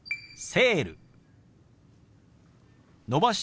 「セール」。